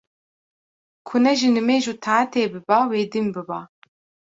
ku ne ji nimêj û taetê biba wê dîn biba